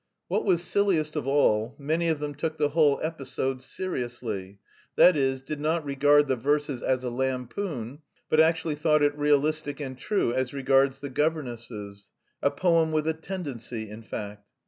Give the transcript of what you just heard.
What was silliest of all, many of them took the whole episode seriously, that is, did not regard the verses as a lampoon but actually thought it realistic and true as regards the governesses a poem with a tendency, in fact.